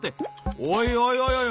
おいおいおいおい！